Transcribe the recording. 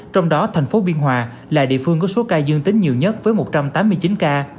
trong đó thành phố biên hòa là địa phương có số ca dương tính nhiều nhất với một trăm tám mươi chín ca